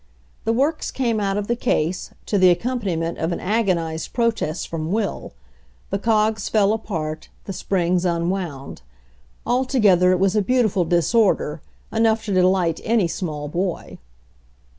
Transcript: The works came out of the case, to the ac companiment of an agonized protest from Will; the cogs fell apart, the springs unwound. Alto gether it was a beautiful disorder, enough to de light any small boy.